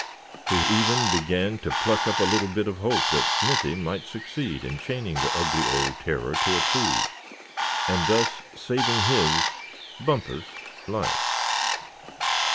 He even began to pluck up a little bit of hope that Smithy might succeed in chaining the ugly old terror to a tree, and thus saving his, Bumpus' life.